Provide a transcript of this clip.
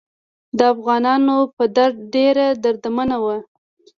د افغانانو په درد ډیره دردمنه وه.